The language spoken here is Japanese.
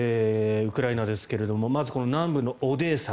ウクライナですがまず、南部のオデーサ。